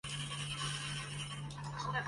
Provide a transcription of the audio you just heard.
链肠锡叶吸虫为同盘科锡叶属的动物。